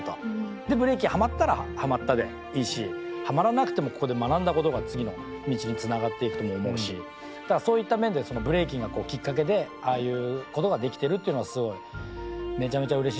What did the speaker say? でブレイキンハマったらハマったでいいしハマらなくてもここで学んだことが次の道につながっていくとも思うしだからそういった面でブレイキンがきっかけでああいうことができてるっていうのがすごいめちゃめちゃうれしい。